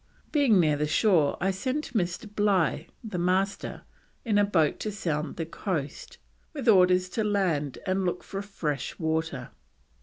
Being near the shore I sent Mr. Bligh, the Master, in a boat to sound the coast, with orders to land and look for fresh water.